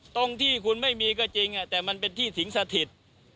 ตรงที่คุณไม่มีก็จริงแต่มันเป็นที่สิงสถิต